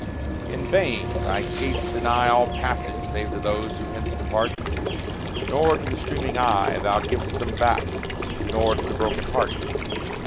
In vain! Thy gates deny All passage save to those who hence depart. Nor to the streaming eye Thou givest them back, nor to the broken heart.